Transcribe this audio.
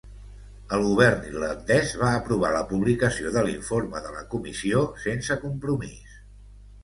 El Govern irlandès va aprovar la publicació de l'informe de la Comissió, sense compromís.